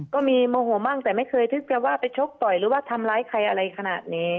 โมโหมั่งแต่ไม่เคยที่จะว่าไปชกต่อยหรือว่าทำร้ายใครอะไรขนาดนี้